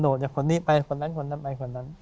โสดจากคนนี้ไปคนนั้น